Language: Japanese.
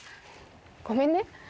ごめんね